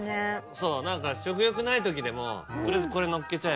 そう何か食欲ない時でも取りあえずこれのっけちゃえば。